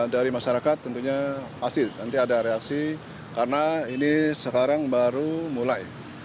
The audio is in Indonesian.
dari masyarakat tentunya pasti nanti ada reaksi karena ini sekarang baru mulai